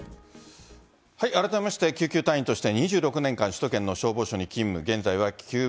改めまして、救急隊員として２６年間、首都圏の消防署に勤務。